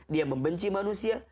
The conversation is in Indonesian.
dia membenci manusia